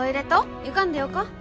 行かんでよか？